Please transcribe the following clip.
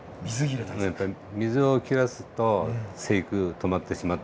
やっぱり水を切らすと生育止まってしまったりね。